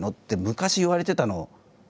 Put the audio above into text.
昔言われてたのを。